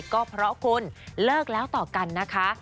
ก็เพราะคุณเลิกแล้วต่อกันนะคะ